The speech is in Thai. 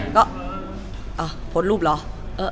ก็โพสต์รูปเหรอ